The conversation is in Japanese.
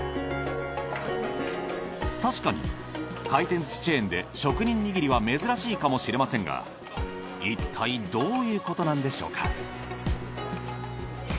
確かに回転寿司チェーンで職人握りは珍しいかもしれませんがいったいどういうことなんでしょうか。